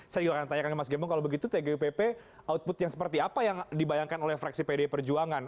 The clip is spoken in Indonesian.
saya juga akan tanyakan ke mas gembong kalau begitu tgupp output yang seperti apa yang dibayangkan oleh fraksi pd perjuangan